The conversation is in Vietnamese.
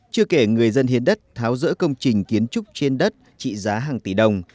chưa kể người dân hiến đất tháo rỡ công trình kiến trúc trên đất trị giá hàng tỷ đồng